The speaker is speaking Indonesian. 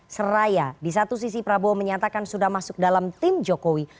seraya di satu sisi prabowo menyatakan sudah masuk dalam tim jokowi